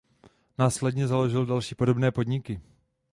Následně založil další podobné podniky.